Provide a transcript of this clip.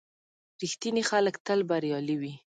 • رښتیني خلک تل بریالي وي.